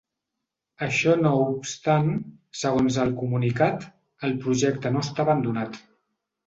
Això no obstant, segons el comunicat, el projecte no està abandonat.